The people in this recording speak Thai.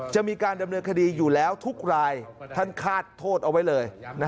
จะมีการดำเนินคดีอยู่แล้วทุกรายท่านคาดโทษเอาไว้เลย